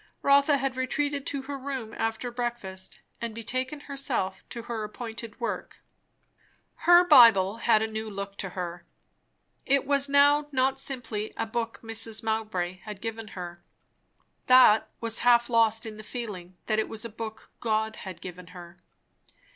Rotha had retreated to her room after breakfast and betaken herself to her appointed work. Her Bible had a new look to her. It was now not simply a book Mrs. Mowbray had given her; that was half lost in the feeling that it was a book God had given her.